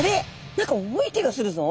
何か重い気がするぞ。